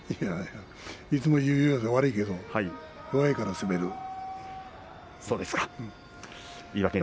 いつも言うようで悪いですけど悪いから滑る。